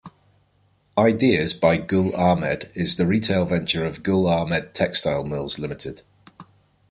"Ideas by Gul Ahmed" is the retail venture of Gul Ahmed Textile Mills Limited.